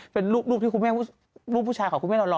เป็นรูปที่คุณแม่รูปผู้ชายของคุณแม่เรารอ